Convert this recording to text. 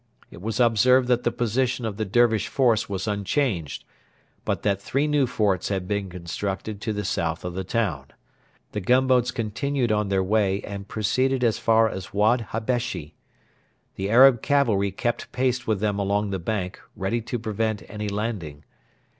It was observed that the position of the Dervish force was unchanged, but that three new forts had been constructed to the south of the town. The gunboats continued on their way and proceeded as far as Wad Habeshi. The Arab cavalry kept pace with them along the bank, ready to prevent any landing.